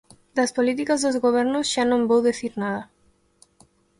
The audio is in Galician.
Das políticas dos gobernos xa non vou dicir nada.